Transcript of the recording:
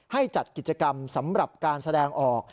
จัดกิจกรรมสำหรับการแสดงออก